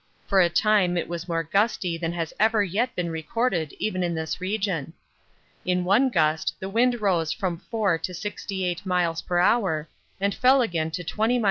For a time it was more gusty than has ever yet been recorded even in this region. In one gust the wind rose from 4 to 68 m.p.h. and fell again to 20 m.p.